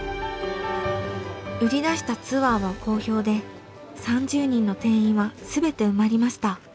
売り出したツアーは好評で３０人の定員は全て埋まりました。